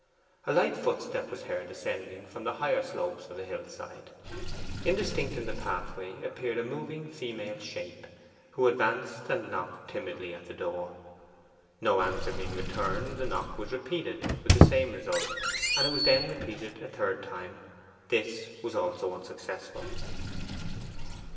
A light footstep was heard descending from the higher slopes of the hillside. Indistinct in the pathway appeared a moving female shape, who advanced and knocked timidly at the door. No answer being returned the knock was repeated, with the same result, and it was then repeated a third time. This also was unsuccessful.